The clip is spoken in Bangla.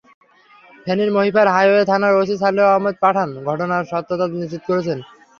ফেনীর মহিপাল হাইওয়ে থানার ওসি সালেহ আহম্মদ পাঠান ঘটনার সত্যতা নিশ্চিত করেছেন।